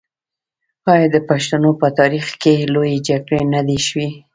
آیا د پښتنو په تاریخ کې لویې جرګې نه دي شوي؟